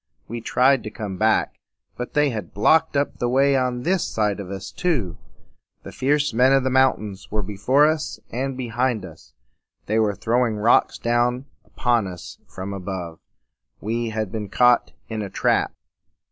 We tried to come back; but they had blocked up the way on this side of us too. The fierce men of the mountains were before us and behind us, and they were throwing rocks down upon us from above. We had been caught in a trap.